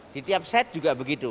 di tiap set juga begitu